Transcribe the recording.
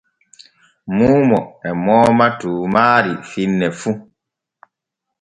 Muumo e mooma tuumaari finne fu.